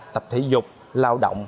tập thể dục lao động